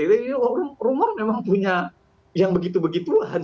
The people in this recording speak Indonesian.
rumor memang punya yang begitu begituan